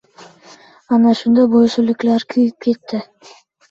Ana shunda boysunliklar kuyib ketdi!